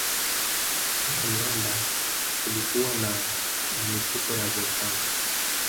China ya miamba kulikuwa na milipuko ya volkano